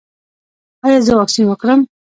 ایا زه واکسین وکړم؟